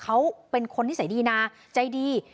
เขาเป็นคนนิสัยดีนะใจดี